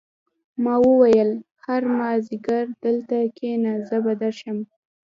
ما وویل هر مازدیګر دلته کېنه زه به درځم